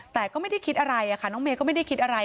แต่ก็ไม่ได้คิดอะไรค่ะน้องเมย์ก็ไม่ได้คิดอะไร